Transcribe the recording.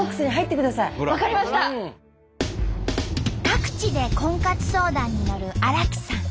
各地で婚活相談に乗る荒木さん。